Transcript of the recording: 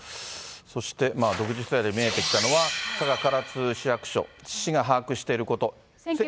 そして独自取材で見えてきたのは、佐賀・唐津市役所、市が把握していること。